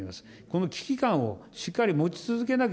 この危機感をしっかり持ち続けな